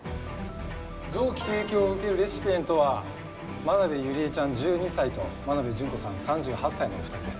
臓器提供を受けるレシピエントは真鍋ゆりえちゃん１２歳と真鍋純子さん３８歳のお二人です。